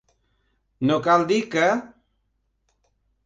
No cal dir que.